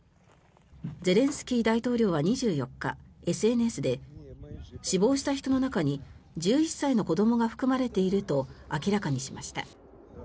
ゼレンスキー大統領は２４日ＳＮＳで死亡した人の中に１１歳の子どもが含まれていると明らかにしました。